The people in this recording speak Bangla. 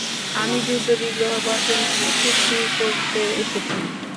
আমি যুদ্ধ-বিগ্রহ বর্জনের চুক্তি করতে এসেছি।